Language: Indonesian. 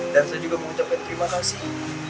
dan saya juga mengucapkan terima kasih